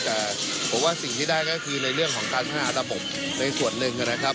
แต่ผมว่าสิ่งที่ได้ก็คือในเรื่องของการพัฒนาระบบในส่วนหนึ่งนะครับ